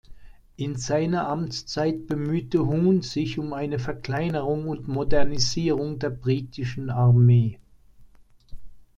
In seiner Amtszeit bemühte Hoon sich um eine Verkleinerung und Modernisierung der britischen Armee.